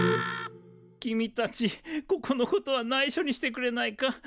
君たちここのことはないしょにしてくれないか？